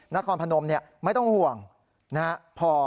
นครพนมไม่ต้องห่วงพอ